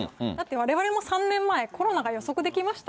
われわれも３年前、コロナが予測できました？